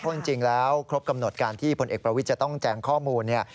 เพราะจริงแล้วครบกำหนดการที่พลเอกประวิทย์จะต้องแจงข้อมูลเนี่ย